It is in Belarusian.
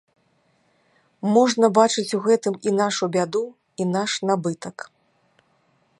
Можна бачыць у гэтым і нашу бяду, і наш набытак.